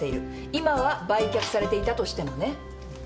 今は売却されていたとしてもね。